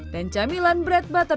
dan camilan berasal dari asam